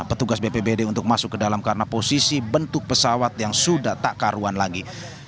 petugas bpbd untuk masuk ke dalam karena posisi bentuk pesawat yang sudah tak karuan lagi